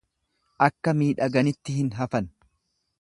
Akka miidhaganitti hin hafan.